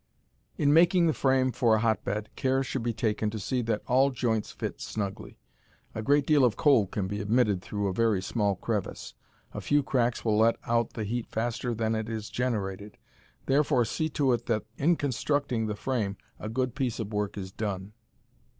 In making the frame for a hotbed care should be taken to see that all joints fit snugly. A great deal of cold can be admitted through a very small crevice. A few cracks will let out the heat faster than it is generated, therefore see to it that in constructing the frame a good piece of work is done.